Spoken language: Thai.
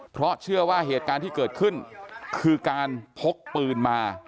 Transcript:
เพราะเชื่อว่าเหตุการณ์ที่เกิดขึ้นคือการพกปืนมา